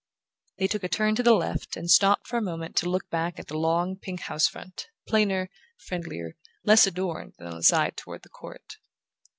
They took a turn to the left and stopped for a moment to look back at the long pink house front, plainer, friendlier, less adorned than on the side toward the court.